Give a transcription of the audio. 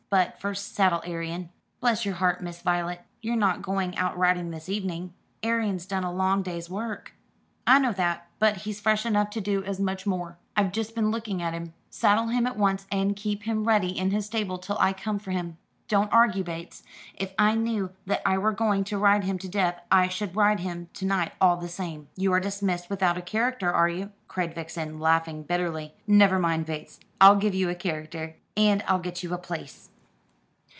But first saddle Arion." "Bless yer heart, Miss Voylet, you're not going out riding this evening? Arion's done a long day's work." "I know that; but he's fresh enough to do as much more I've just been looking at him. Saddle him at once, and keep him ready in his stable till I come for him. Don't argue, Bates. If I knew that I were going to ride him to death I should ride him to night all the same. You are dismissed without a character, are you?" cried Vixen, laughing bitterly. "Never mind, Bates, I'll give you a character; and I'll get you a place."